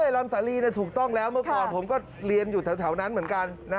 ลำสาลีถูกต้องแล้วเมื่อก่อนผมก็เรียนอยู่แถวนั้นเหมือนกัน